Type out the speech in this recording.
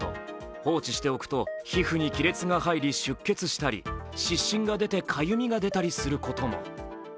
放置しておくと皮膚に亀裂が入り出血したり湿疹が出てかゆみが出たりすることも。